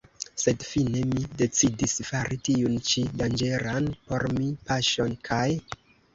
Sed fine mi decidis fari tiun ĉi danĝeran por mi paŝon kaj.